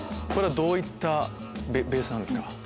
これはどういったベースなんですか？